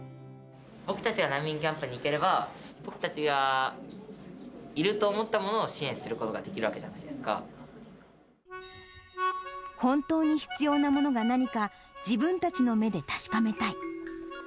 僕たちが難民キャンプに行ければ、僕たちがいると思ったものを支援することができるわけじゃないで本当に必要なものが何か、自分たちの目で確かめたい。